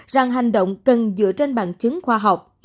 rằng hành động cần dựa trên bằng chứng khoa học